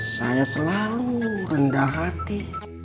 saya selalu rendah hati